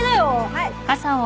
はい。